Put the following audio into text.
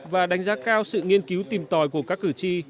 và đánh giá cao sự nghiên cứu tìm tòi của các cử tri